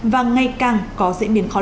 và ngày càng có diễn biến khó lực